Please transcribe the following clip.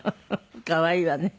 可愛いわね。